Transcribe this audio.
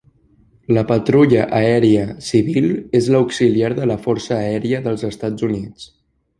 La Patrulla Aèria Civil és l'auxiliar de la Força Aèria dels Estats Units.